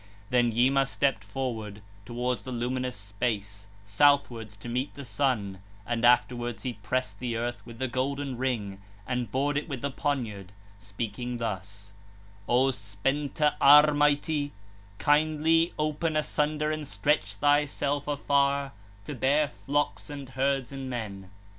14. Then Yima stepped forward, towards the luminous space, southwards, to meet the sun, and (afterwards) he pressed the earth with the golden ring, and bored it with the poniard, speaking thus: 'O Spenta Ârmaiti, kindly open asunder and stretch thyself afar, to bear flocks and herds and men.'